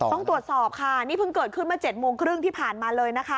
ต้องตรวจสอบค่ะนี่เพิ่งเกิดขึ้นมา๗โมงครึ่งที่ผ่านมาเลยนะคะ